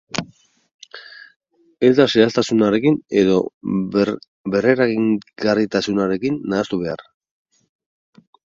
Ez da zehaztasunarekin edo berregingarritasunarekin nahastu behar.